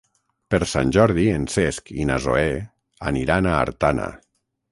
Per Sant Jordi en Cesc i na Zoè aniran a Artana.